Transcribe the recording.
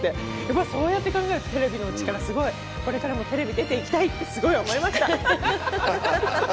そうやって考えるとテレビの力すごいこれからもテレビ出ていきたいってすごい思いました。